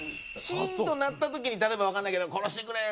シーンとなった時に例えばわかんないけど「殺してくれー！」